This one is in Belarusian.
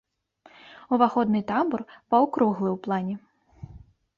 Уваходны тамбур паўкруглы ў плане.